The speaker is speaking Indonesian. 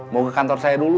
mau ke kantor saya dulu